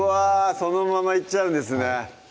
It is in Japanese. そのままいっちゃうんですね